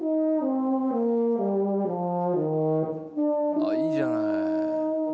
「ああいいじゃない」